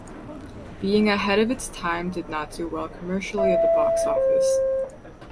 Being ahead of its time did not do well commercially at the box office.